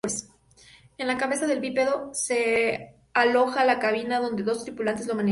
En la cabeza del bípedo se aloja la cabina, donde dos tripulantes lo manejan.